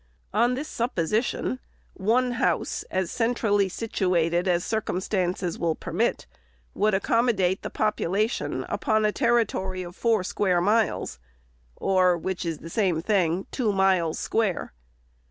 On this supposition, one house, as centrally situated as circumstances will permit, would accommodate the popu lation upon a territory of four square miles, or, which is the same thing, two miles square.